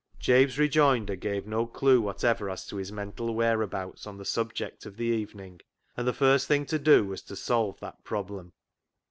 Jabe's rejoinder gave no clue whatever as to his mental whereabouts on the subject of the evening, and the first thing to do was to solve that problem.